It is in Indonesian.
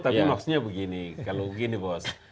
tapi maksudnya begini kalau begini bos